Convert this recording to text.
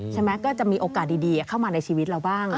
ใช่ไหมก็จะมีโอกาสดีเข้ามาในชีวิตเราบ้าง